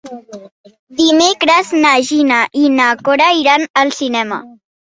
Dimecres na Gina i na Cora iran al cinema.